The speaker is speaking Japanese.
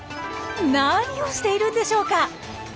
何をしているんでしょうか。